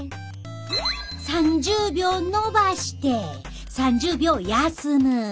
３０秒のばして３０秒休む。